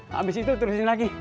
habis itu terusin lagi